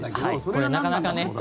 これ、なかなかね